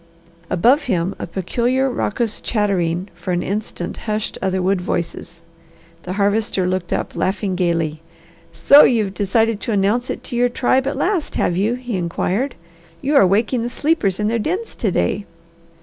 Above him a peculiar, raucous chattering for an instant hushed other wood voices. The Harvester looked up, laughing gaily. "So you've decided to announce it to your tribe at last, have you?" he inquired. "You are waking the sleepers in their dens to day?